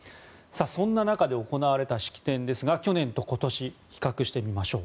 そんな中で行われた式典ですが去年と今年比較してみましょう。